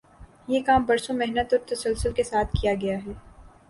یہ کام برسوں محنت اور تسلسل کے ساتھ کیا گیا ہے۔